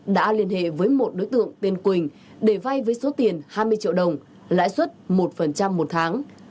đã liên hệ với một đối tượng tên quỳnh để vay với số tiền hai mươi triệu đồng lãi suất một một tháng